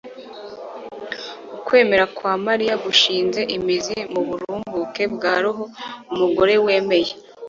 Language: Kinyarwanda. ukwemera kwa mariya gushinze imizi mu burumbuke bwa roho.umugore wemeye